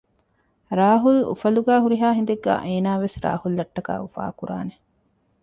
ރާހުލް އުފަލުގައި ހުރިހާ ހިނދެއްގައި އޭނާވެސް ރާހުލްއަށްޓަކާ އުފާކުރާނެ